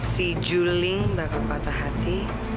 si juling makan patah hati